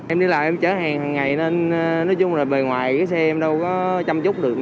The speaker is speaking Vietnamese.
em đi lại em chở hàng hằng ngày nên nói chung là bề ngoài cái xe em đâu có chăm chút được